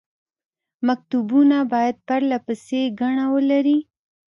مکتوبونه باید پرله پسې ګڼه ولري.